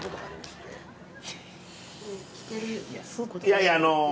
いやいやあの。